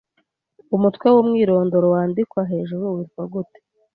Umutwe w’umwirondoro wandikwa hejuru witwa gute